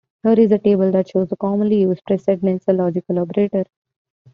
Here is a table that shows a commonly used precedence of logical operators.